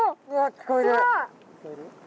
聞こえる？